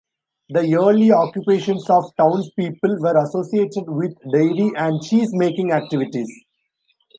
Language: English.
The early occupations of townspeople were associated with dairy and cheese-making activities.